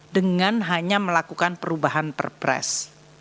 dengan hanya melakukan perubahan perpres